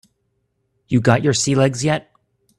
You got your sea legs yet?